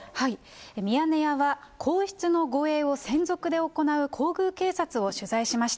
ミヤネ屋は、皇室の護衛を専属で行う皇宮警察を取材しました。